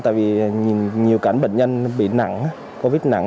tại vì nhiều cảnh bệnh nhân bị nặng covid nặng